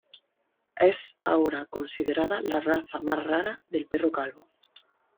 Es ahora considerada la raza más rara del perro calvo.